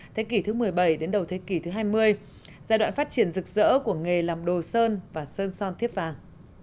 thế kỷ thứ một mươi bảy đến đầu thế kỷ thứ hai mươi giai đoạn phát triển rực rỡ của nghề làm đồ sơn và sơn son tiếp vàng